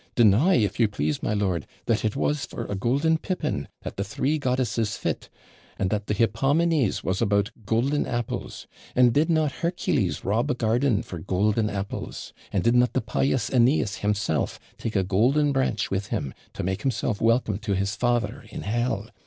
'Deny, if you please, my lord, that it was for a golden pippin that the three goddesses FIT and that the HIPPOMENES was about golden apples and did not Hercules rob a garden for golden apples? and did not the pious Eneas himself take a golden branch with him, to make himself welcome to his father in hell?'